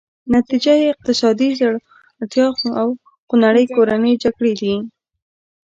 نتیجه یې اقتصادي ځوړتیا او خونړۍ کورنۍ جګړې دي.